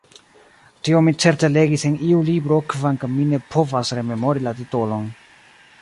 Tion mi certe legis en iu libro kvankam mi ne povas rememori la titolon.